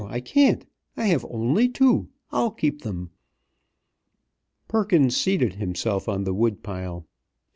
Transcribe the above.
I can't. I have only two. I'll keep them." Perkins seated himself on the wood pile.